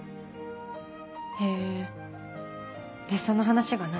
へぇでその話が何？